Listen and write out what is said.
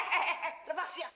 hehehe rebas ya